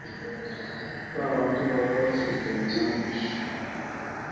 ba bandi bahora bazirikana icyangusha